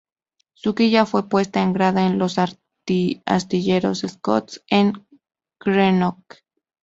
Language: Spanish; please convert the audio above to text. Su quilla fue puesta en grada en los astilleros Scotts, en Greenock.